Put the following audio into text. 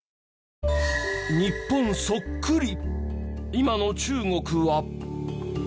今の中国は。